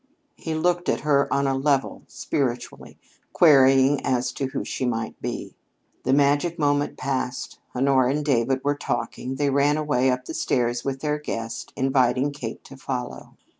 He looked at her on a level, spiritually, querying as to who she might be. The magical moment passed. Honora and David were talking. They ran away up the stairs with their guest, inviting Kate to follow.